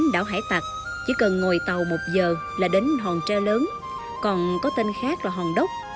chỉ cần ngồi tàu một giờ là đến hòn tre lớn còn có tên khác là hòn đốc